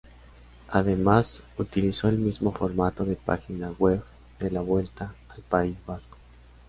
Además, utilizó el mismo formato de página web de la Vuelta al País Vasco.